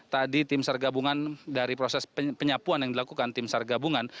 tadi tim sergabungan dari proses penyapuan yang dilakukan tim sar gabungan